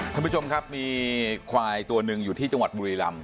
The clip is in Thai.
ท่านผู้ชมครับมีควายตัวหนึ่งอยู่ที่จังหวัดบุรีรำ